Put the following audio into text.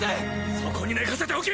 そこに寝かせておけ！